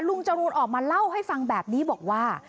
จรูนออกมาเล่าให้ฟังแบบนี้บอกว่า